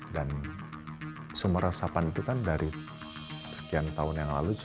dan sumber resapan itu kan dari sekian tahun yang lalu